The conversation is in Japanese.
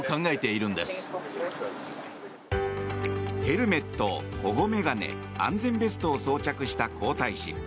ヘルメット、保護眼鏡安全ベストを装着した皇太子。